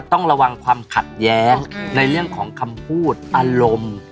ต้องระวังความขัดแย้งในเรื่องของคำพูดอารมณ์